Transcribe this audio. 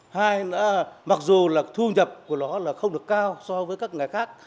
hai mặc dù thu nhập của nó không được cao so với các ngày khác